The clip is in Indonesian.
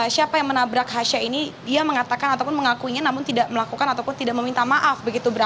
siapa yang menabrak hasyah ini dia mengatakan ataupun mengakuinya namun tidak melakukan ataupun tidak meminta maaf